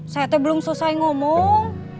saya belum selesai ngomong